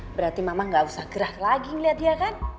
berarti mama gak usah gerak lagi ngeliat dia kan